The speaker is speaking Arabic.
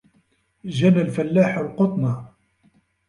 جَنَى الْفَلَّاحُ الْقُطْنَ.